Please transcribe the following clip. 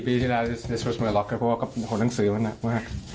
๑๔ปีที่แล้วเขาเอาหนังสือมาก